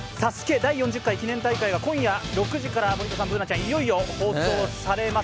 第４０回記念大会が今夜、６時からいよいよ放送されます。